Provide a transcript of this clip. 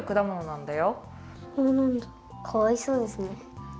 そうなんだかわいそうですね。